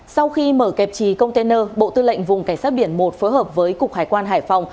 sau khi mở kẹp trì container bộ tư lệnh vùng cảnh sát biển một phối hợp với cục hải quan hải phòng